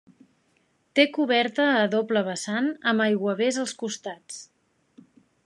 Té coberta a doble vessant amb aiguavés als costats.